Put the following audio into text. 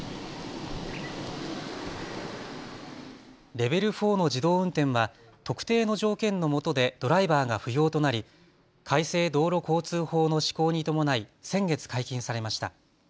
レベル４の自動運転は特定の条件のもとでドライバーが不要となり改正道路交通法の施行に伴い先月解禁されました。